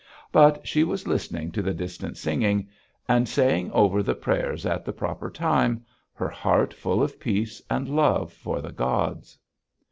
But she was listening to the distant singing, and saying over the prayers at the proper time, her heart full of peace and love for the gods.